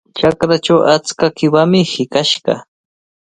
Chakrachaw achka qiwami hiqashqa.